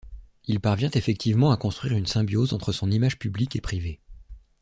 Il parvient effectivement à construire une symbiose entre son image publique et privée.